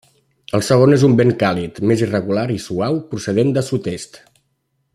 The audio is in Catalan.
El segon és un vent càlid, més irregular i suau procedent del sud-est.